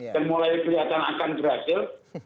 dan mulai kelihatan akan berhasil